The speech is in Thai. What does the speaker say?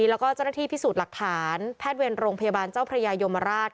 แล้วก็เจ้าหน้าที่พิสูจน์หลักฐานแพทย์เวรโรงพยาบาลเจ้าพระยายมราช